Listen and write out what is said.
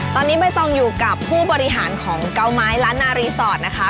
ตอนนี้ใบตองอยู่กับผู้บริหารของเกาไม้ล้านนารีสอร์ทนะคะ